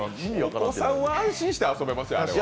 お子さんは安心して遊べますよ、あれは。